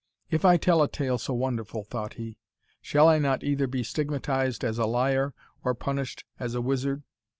"If I tell a tale so wonderful," thought he, "shall I not either be stigmatized as a liar, or punished as a wizard?